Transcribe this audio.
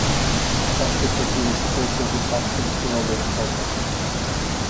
Patrick has been a supporter of the South Coast Rail Link project.